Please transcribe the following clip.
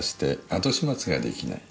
後始末ができない。